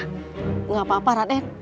tidak apa apa raden